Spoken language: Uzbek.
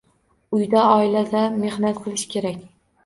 Uyda, oilada mehnat qilish kerak.